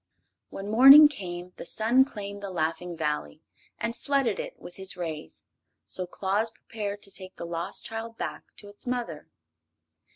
When morning came the sun claimed the Laughing Valley and flooded it with his rays; so Claus prepared to take the lost child back to its mother.